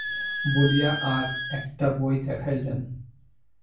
বলিয়া আর-একটা বই দেখাইল।